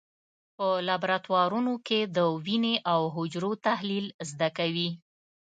په لابراتوارونو کې د وینې او حجرو تحلیل زده کوي.